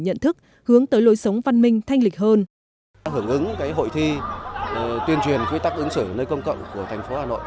nhận thức hướng tới lối sống văn minh thanh lịch hơn